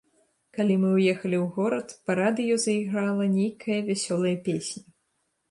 Калі мы ўехалі ў горад, па радыё зайграла нейкая вясёлая песня.